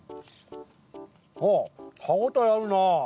あっ歯応えあるな。